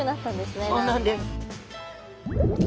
そうなんです！